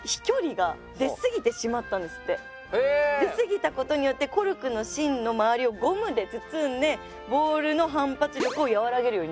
出過ぎたことによってコルクの芯の周りをゴムで包んでボールの反発力を和らげるようになったということで。